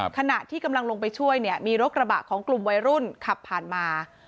ขณะที่กำลังลงไปช่วยเนี่ยมีรถกระบะของกลุ่มวัยรุ่นขับผ่านมา